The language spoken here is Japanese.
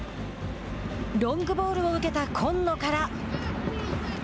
ロングボールを受けた紺野から。